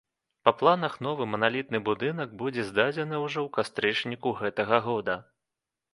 Па планах, новы маналітны будынак будзе здадзены ўжо ў кастрычніку гэтага года.